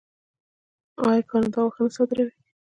آیا کاناډا غوښه نه صادروي؟